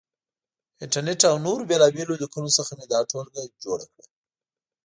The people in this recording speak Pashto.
انټرنېټ او نورو بېلابېلو لیکنو څخه مې دا ټولګه جوړه کړه.